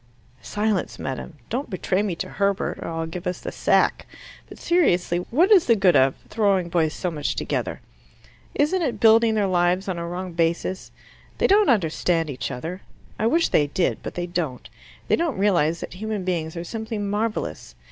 "Silence, madam. Don't betray me to Herbert, or I'll give us the sack. But seriously, what is the good of, throwing boys so much together? Isn't it building their lives on a wrong basis? They don't understand each other. I wish they did, but they don't. They don't realize that human beings are simply marvellous.